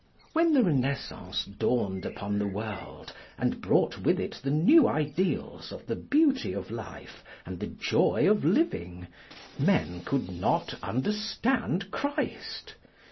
When the Renaissance dawned upon the world, and brought with it the new ideals of the beauty of life and the joy of living, men could not understand Christ.